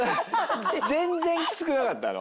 全然きつくなかったの？